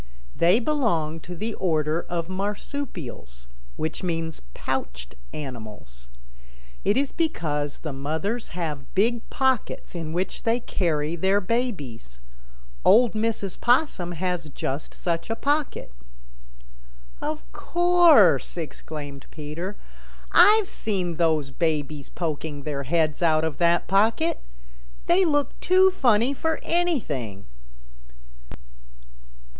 "They belong to the order of Marsupials, which means pouched animals. It is because the mothers have big pockets in which they carry their babies. Old Mrs. Possum has just such a pocket." "Of course," exclaimed Peter. "I've seen those babies poking their heads out of that pocket. They look too funny for anything."